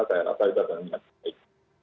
saya rasa itu adalah niat baik